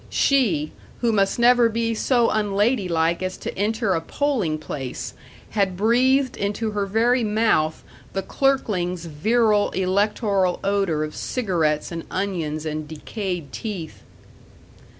She, who must never be so unladylike as to enter a polling place, had breathed into her very mouth the clerkling's virile electoral odor of cigarettes and onions and decayed teeth.